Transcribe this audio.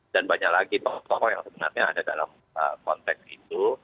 dan banyak lagi tokoh tokoh yang sebenarnya ada dalam konteks itu